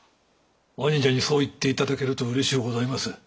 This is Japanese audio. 兄者にそう言っていただけるとうれしゅうございます。